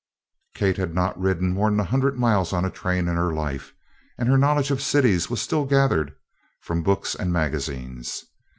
Kate had not ridden more than a hundred miles on a train in her life, and her knowledge of cities was still gathered from books and magazines.